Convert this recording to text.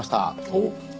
おっ。